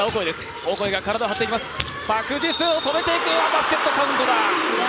バスケットカウントだ。